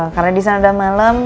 karena di sana udah malam